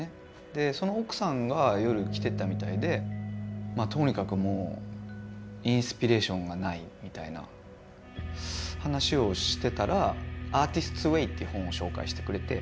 でその奥さんが夜来てたみたいでまあとにかくもうインスピレーションがないみたいな話をしてたら「アーティスツウェイ」っていう本を紹介してくれて。